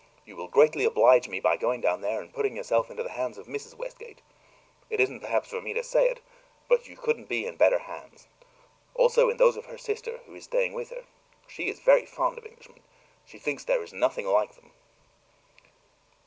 You will greatly oblige me by going down there and putting yourself into the hands of Mrs. Westgate. It isn't perhaps for me to say it, but you couldn't be in better hands. Also in those of her sister, who is staying with her. She is very fond of Englishmen. She thinks there is nothing like them."